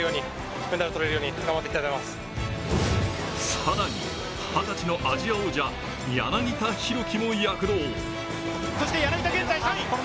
更に二十歳のアジア王者、柳田大輝も躍動。